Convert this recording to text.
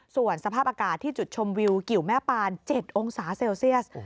ส่วนสภาพอากาศที่จุดชมวิวกิวแม่ปาน๗องศาเซลเซียส